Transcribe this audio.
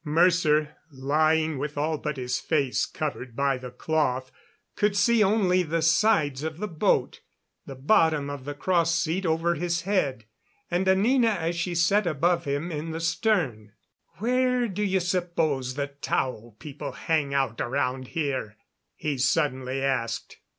Mercer, lying with all but his face covered by the cloth, could see only the sides of the boat, the bottom of the cross seat over his head, and Anina as she sat above him in the stern. "Where do you suppose the Tao people hang out around here?" he suddenly asked.